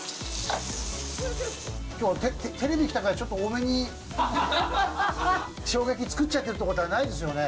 きょうはテレビ来たからちょっと多めにしょうが焼き作っちゃってるってことはないですよね。